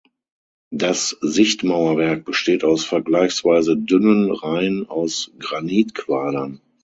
Das Sichtmauerwerk besteht aus vergleichsweise dünnen Reihen aus Granitquadern.